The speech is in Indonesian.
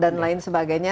dan lain sebagainya